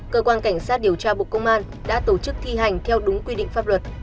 cơ quan cảnh sát điều tra bộ công an đã tổ chức thi hành theo đúng quy định pháp luật